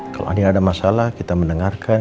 kalo andien ada masalah kita mendengarkan